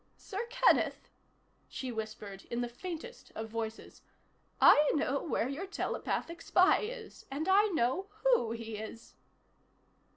"Sir Kenneth," she whispered in the faintest of voices, "I know where your telepathic spy is. And I know who he is."